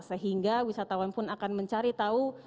sehingga wisatawan pun akan mencari tahu